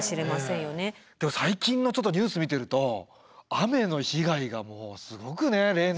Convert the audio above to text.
最近のちょっとニュース見てると雨の被害がもうすごくね例年。